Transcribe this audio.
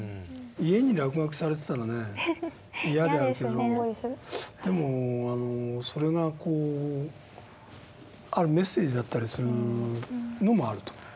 家に落書きされてたらね嫌であるけどでもそれがあるメッセージだったりするのもあると。